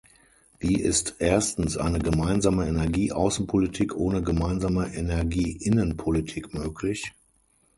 Wie ist erstens eine gemeinsame Energieaußenpolitik ohne gemeinsame Energieinnenpolitik möglich?